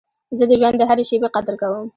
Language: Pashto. زه د ژوند د هري شېبې قدر کوم.